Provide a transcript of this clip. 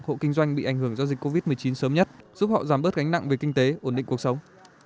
hộ kinh doanh bị ảnh hưởng do dịch covid một mươi chín sớm nhất giúp họ giảm bớt gánh nặng về kinh tế ổn định cuộc sống